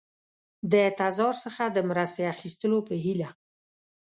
د تزار څخه د مرستې اخیستلو په هیله.